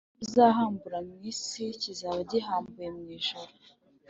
n’icyo uzahambura mu isi kizaba gihambuwe mu ijuru.”